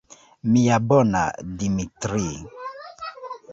Mia bona Dimitri!